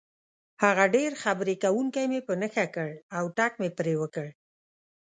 هغه ډېر خبرې کوونکی مې په نښه کړ او ټک مې پرې وکړ.